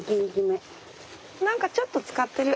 何かちょっと漬かってる。